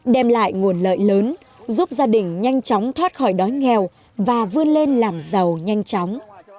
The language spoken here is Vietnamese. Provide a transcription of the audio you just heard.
đem lại nguồn lợi lớn giúp gia đình nhanh chóng thoát khỏi đói nghèo và vươn lên làm giàu nhanh chóng